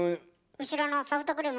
後ろのソフトクリーム。